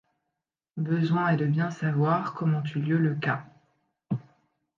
Besoing est de bien sçavoir comment eut lieu le cas.